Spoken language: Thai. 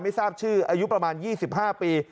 ไม่ทราบชื่ออายุประมาณ๒๕ปี